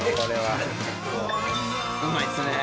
うまいですね。